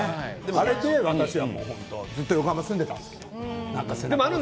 それで私は本当にずっと横浜に住んでいたんですけど。